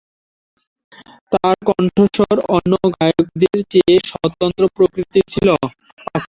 তার কণ্ঠস্বর অন্য গায়কদের চেয়ে স্বতন্ত্র প্রকৃতির ছিল।